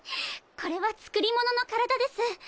これは作り物の体です。